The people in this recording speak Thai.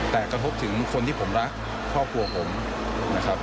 แต่กระทบถึงคนที่ผมรักครอบครัวผมนะครับ